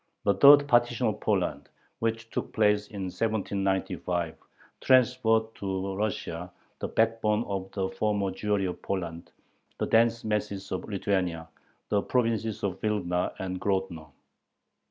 The third partition of Poland, which took place in 1795, transferred to Russia the backbone of the former Jewry of Poland, the dense masses of Lithuania, the provinces of Vilna and Grodno.